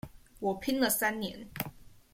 我拼了三年